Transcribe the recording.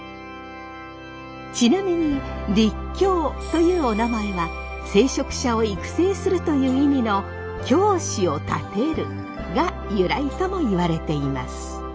ちなみに「立教」というおなまえは聖職者を育成するという意味の「教師を立てる」が由来ともいわれています。